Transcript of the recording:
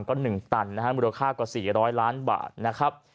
ก็หนึ่งตันนะฮะมูลค่ากว่าสี่ร้อยล้านบาทนะครับ